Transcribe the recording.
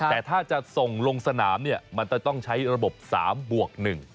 แต่ถ้าจะส่งลงสนามเนี่ยมันจะต้องใช้ระบบ๓บวก๑